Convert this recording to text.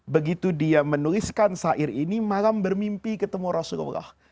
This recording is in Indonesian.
begitu dia menuliskan sair ini malam bermimpi ketemu rasulullah